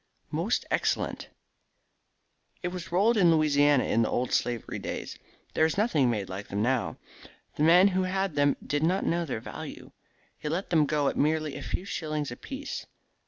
"Most excellent." "It was rolled in Louisiana in the old slavery days. There is nothing made like them now. The man who had them did not know their value. He let them go at merely a few shillings apiece.